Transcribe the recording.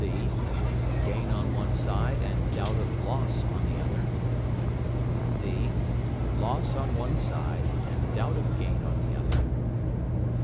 (c). Gain on one side, and doubt of loss on the other. (d). Loss on one side, and doubt of gain on the other.